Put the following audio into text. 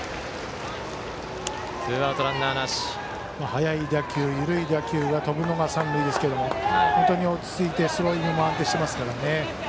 速い打球緩い打球が飛ぶのが三塁ですけど、本当に落ち着いてスローイングも安定してますね。